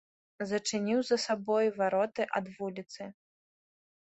Зачыніў за сабою вароты ад вуліцы.